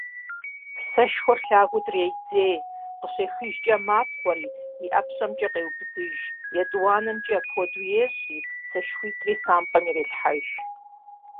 Сэшхуэр лъагэу дредзей, къыщехыжкӀэ мапхъуэри, и ӀэпщӀэмкӀэ къеубыдыж, етӀуанэмкӀи апхуэдэу ещӀри, сэшхуитӀри сампӀэм ирелъхьэж.